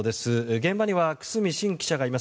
現場には久須美慎記者がいます。